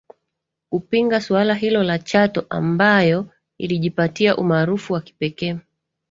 kupinga suala hilo la Chato ambayo ilijipatia umaarufu wa kipekee